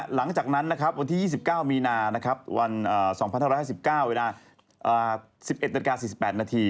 หลังจากนั้นนะครับวันที่๒๙มีนาวัน๒๕๕๙เวลา๑๑นาฬิกา๔๘นาที